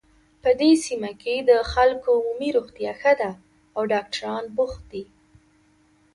په دې سیمه کې د خلکو عمومي روغتیا ښه ده او ډاکټران بوخت دي